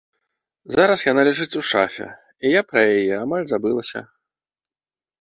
Зараз яна ляжыць у шафе, і я пра яе амаль забылася.